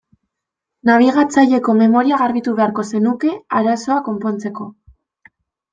Nabigatzaileko memoria garbitu beharko zenuke arazoa konpontzeko.